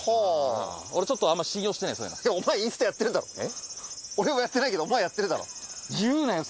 俺ちょっとあんま信用してないそういうのお前インスタやってるだろ俺はやってないけどお前やってるだろ言うなよ